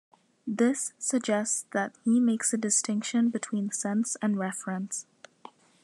This "suggests that he makes a distinction between sense and reference".